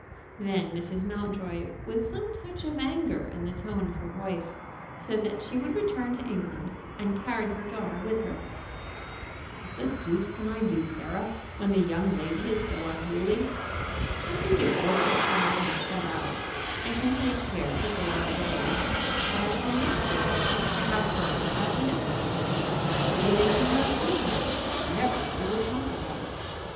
Then Mrs. Mountjoy, with some touch of anger in the tone of her voice, said that she would return to England, and carry her daughter with her. "What the deuce can I do, Sarah, when the young lady is so unruly? I can give orders to have him shut out, and can take care that they are obeyed; but I cannot give orders to have her shut in. I should be making her a prisoner, and everybody would talk about it.